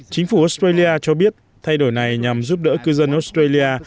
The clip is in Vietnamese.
chính phủ australia cho biết thay đổi này nhằm giúp đỡ cư dân australia